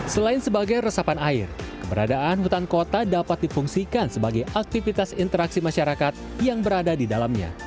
selain sebagai resapan air keberadaan hutan kota dapat difungsikan sebagai aktivitas interaksi masyarakat yang berada di dalamnya